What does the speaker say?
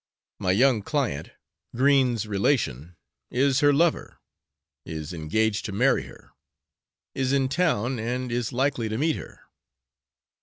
My young client, Green's relation, is her lover is engaged to marry her is in town, and is likely to meet her!"